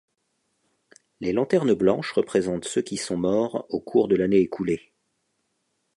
Les lanternes blanches représentent ceux qui sont morts au cours de l'année écoulée.